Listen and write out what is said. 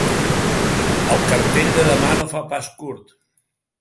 El cartell de demà no fa pas curt.